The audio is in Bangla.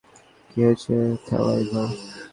কী হয়েছে, থালাইভা?